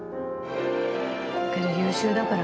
けど優秀だから